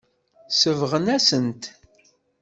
Sebɣent-asent-t.